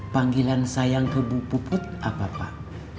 panggilan sayang ke bu puput apa pak